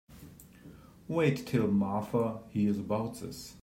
Wait till Martha hears about this.